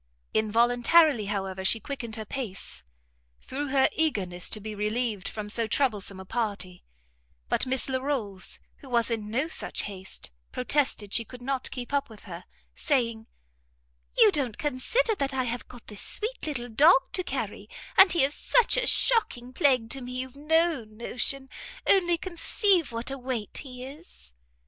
Involuntarily, however, she quickened her pace, through her eagerness to be relieved from so troublesome a party; but Miss Larolles, who was in no such haste, protested she could not keep up with her; saying, "You don't consider that I have got this sweet little dog to carry, and he is such a shocking plague to me you've no notion. Only conceive what a weight he is!"